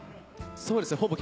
そうですね。